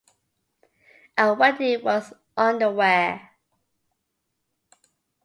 A wedding was under way.